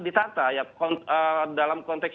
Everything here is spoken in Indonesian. ditata dalam konteks